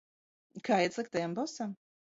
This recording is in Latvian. Kā iet sliktajam bosam?